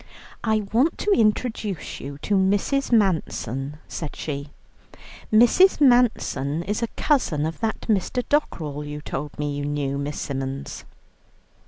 "I want to introduce you to Mrs. Manson," said she. "Mrs. Manson is a cousin of that Mr. Dockerell you told me you knew, Miss Symons."